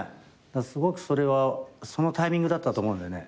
すごくそれはそのタイミングだったと思うんだよね。